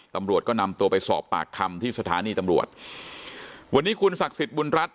ตำรวจก็นำตัวไปสอบปากคำที่สถานีตำรวจวันนี้คุณศักดิ์สิทธิ์บุญรัฐ